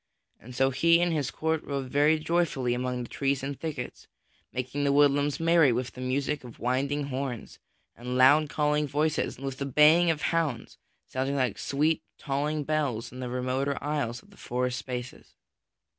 So he and his court rode very joyfully amid the trees and thickets, making the woodlands merry with the music of winding horns and loud calling voices and with the baying of hounds sounding like sweet tolling bells in the remoter aisles of the forest spaces.